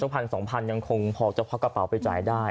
๑๐๐๐๒๐๐๐บาทยังคงพอจะพักกระเป๋าไปจ่ายได้